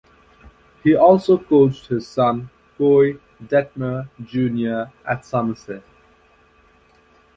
He also coached his son, Koy Detmer Junior at Somerset.